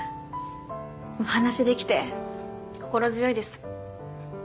お話しできて心強いです。